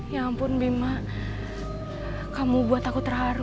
ya ampun bima kamu buat aku terharu